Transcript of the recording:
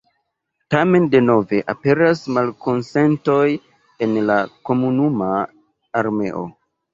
Tamen denove aperas malkonsentoj ene de la komunuma armeo.